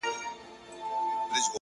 نظم ګډوډي په توازن بدلوي،